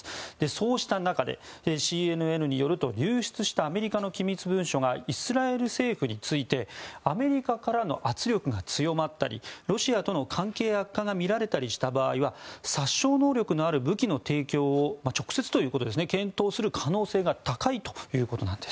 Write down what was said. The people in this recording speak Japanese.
そうした中でＣＮＮによると流出したアメリカの機密文書でイスラエル政府についてアメリカからの圧力が強まったりロシアとの関係悪化が見られたりした場合は殺傷能力のある武器の提供を直接ということですね検討する可能性が高いということなんです。